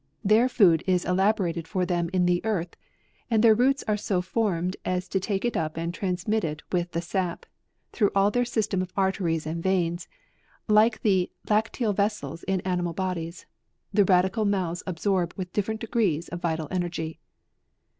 Their food is elaborated for them in the earth, and their roots are so formed as to take it up and trans mit it with the sap, through all their system of arteries and veins; like the lacteal vessels in animal bodies, the radical mouths absorb with different degrees of vital energy.